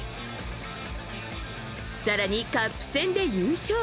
更に、カップ戦で優勝。